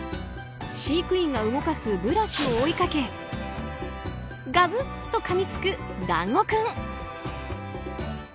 飼育員が動かすブラシを追いかけガブッとかみつくだんご君。